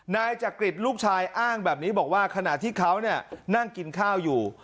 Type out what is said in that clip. นายจักริตลูกชายอ้างแบบนี้บอกว่าขณะที่เขานั่งกินข้าวอยู่